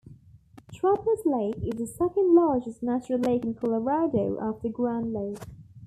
Trappers Lake is the second-largest natural lake in Colorado after Grand Lake.